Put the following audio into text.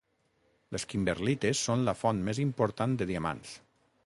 Les kimberlites són la font més important de diamants.